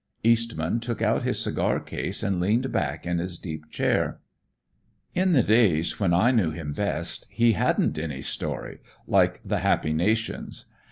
Eastman took out his cigar case and leaned back in his deep chair. "In the days when I knew him best he hadn't any story, like the happy nations.